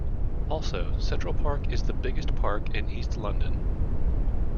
Also central park is the biggest park in east London.